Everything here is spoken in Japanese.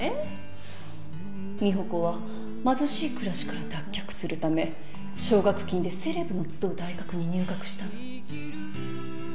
美保子は貧しい暮らしから脱却するため奨学金でセレブの集う大学に入学したの。